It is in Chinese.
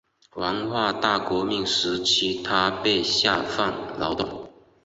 文化大革命时期他被下放劳动。